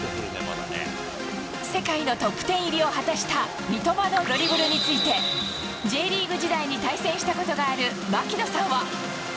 世界のトップ１０入りを果たした三笘のドリブルについて、Ｊリーグ時代に対戦したことがある槙野さんは。